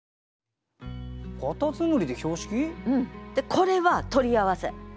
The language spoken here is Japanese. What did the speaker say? これは取り合わせ。